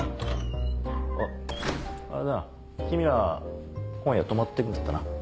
あっあれだな君ら今夜泊まってくんだったな？